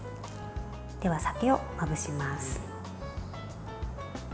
では、酒をまぶします。